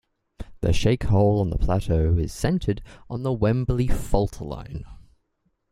The shakehole on the plateau is centred on the Wembley Fault line.